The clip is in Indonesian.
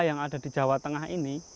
yang ada di jawa tengah ini